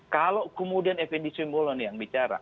kalau kemudian effendi simbolo yang bicara